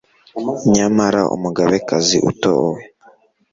nyamara umugabekazi utowe